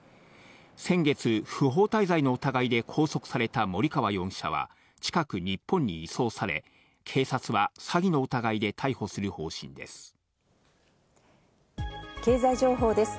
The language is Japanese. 先月、不法滞在の疑いで拘束された森川容疑者は近く日本に移送され、警察は詐欺の疑いで逮捕する方針です。